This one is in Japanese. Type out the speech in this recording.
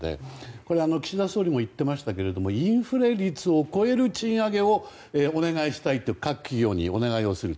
これは岸田総理も言ってましたがインフレ率を超える賃上げをお願いしたいと各企業にお願いをすると。